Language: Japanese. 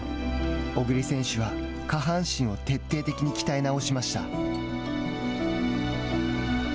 小栗選手は下半身を徹底的に鍛え直しました。